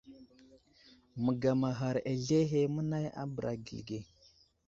Məgamaghar azlehe mənay a bəra gəli ge.